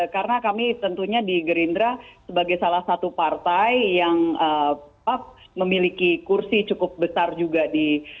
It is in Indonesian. karena kami tentunya di gerindra sebagai salah satu partai yang memiliki kursi cukup besar juga di